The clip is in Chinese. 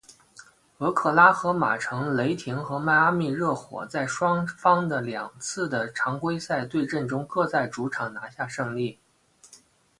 俄克拉何马城雷霆和迈阿密热火在双方的两次的常规赛对阵中各在主场拿下胜利。